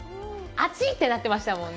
あちぃ！ってなってましたもんね。